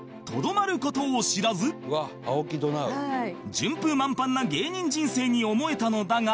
順風満帆な芸人人生に思えたのだが